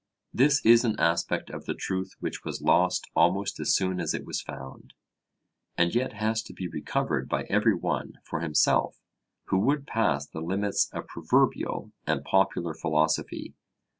This is an aspect of the truth which was lost almost as soon as it was found; and yet has to be recovered by every one for himself who would pass the limits of proverbial and popular philosophy.